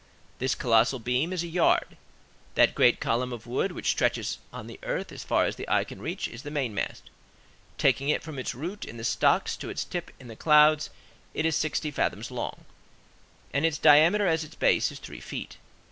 This colossal beam is a yard; that great column of wood which stretches out on the earth as far as the eye can reach is the main mast. Taking it from its root in the stocks to its tip in the clouds, it is sixty fathoms long, and its diameter at its base is three feet.